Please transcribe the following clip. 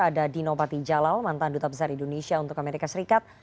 ada dino patijalal mantan duta besar indonesia untuk amerika serikat